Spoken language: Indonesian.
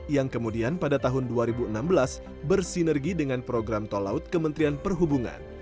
yang kemudian pada tahun dua ribu enam belas bersinergi dengan program tol laut kementerian perhubungan